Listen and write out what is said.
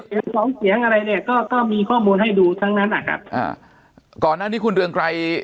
ก็ก็มีข้อมูลให้ดูทั้งนั้นอ่ะครับอ่าก่อนหน้านี้คุณเรืองไกร